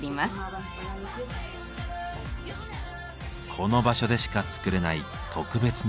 この場所でしか作れない特別なラグ。